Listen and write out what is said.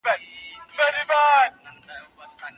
ولي زیارکښ کس د مستحق سړي په پرتله ژر بریالی کېږي؟